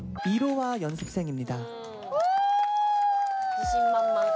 自信満々。